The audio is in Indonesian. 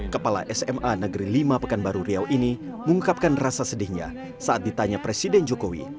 kepala sma negeri lima pekanbaru riau ini mengungkapkan rasa sedihnya saat ditanya presiden jokowi